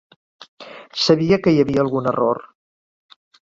Sabia que hi havia algun error.